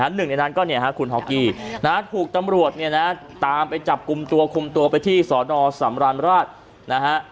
หนึ่งในนั้นก็คุณฮอกกี้ถูกตำรวจตามไปจับกลุ่มตัวคลุมตัวไปที่สอนอสำรรรณราช